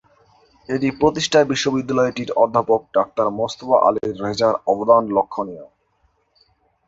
এটি প্রতিষ্ঠায় বিশ্ববিদ্যালয়টির অধ্যাপক ডাক্তার মোস্তফা আলী রেজার অবদান লক্ষণীয়।